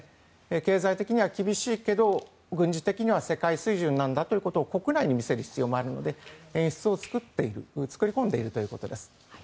経済的には厳しいけど軍事的には世界水準なんだということを国内に見せる必要もあるので演出を作っている作り込んでいるということです。